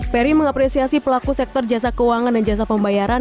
peri mengapresiasi pelaku sektor jasa keuangan dan jasa pembayaran